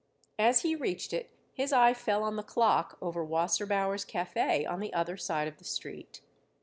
As he reached it his eye fell on the clock over Wasserbauer's Café on the other side of the street.